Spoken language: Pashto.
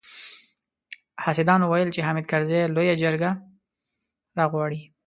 حاسدانو ويل چې حامد کرزي لويه جرګه راغواړي.